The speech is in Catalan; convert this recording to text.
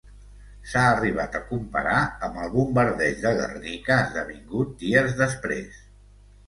S'ha arribat a comparar amb el bombardeig de Guernica, esdevingut dies després.